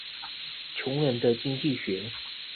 窮人的經濟學